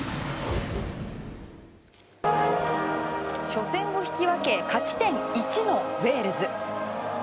初戦を引き分け勝ち点１のウェールズ。